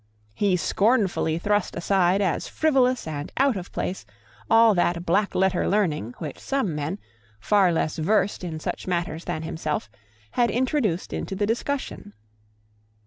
He scornfully thrust aside as frivolous and out of place all that blackletter learning, which some men, far less versed in such matters than himself, had introduced into the discussion.